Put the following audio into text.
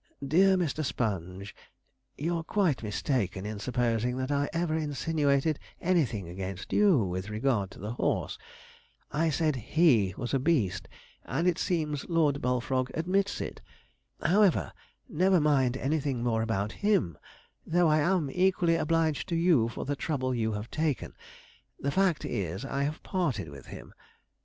'DEAR MR. SPONGE, 'You are quite mistaken in supposing that I ever insinuated anything against you with regard to the horse. I said he was a beast, and it seems Lord Bullfrog admits it. However, never mind anything more about him, though I am equally obliged to you for the trouble you have taken. The fact is, I have parted with him.